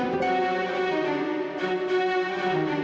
aku berncanak bisa aja nih